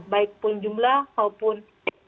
baik pun jumlah maupun